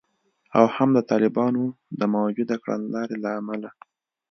او هم د طالبانو د موجوده کړنلارې له امله